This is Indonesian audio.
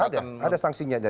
ada ada sanksinya